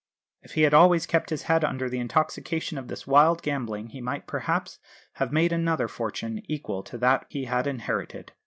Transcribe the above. If he had always kept his head under the intoxication of this wild gambling he might perhaps have made another fortune equal to that he had inherited.